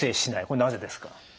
これなぜですか？